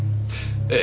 ええ。